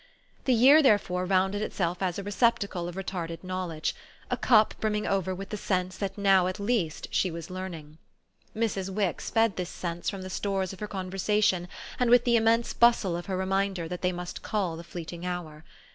The year therefore rounded itself as a receptacle of retarded knowledge a cup brimming over with the sense that now at least she was learning. Mrs. Wix fed this sense from the stores of her conversation and with the immense bustle of her reminder that they must cull the fleeting hour.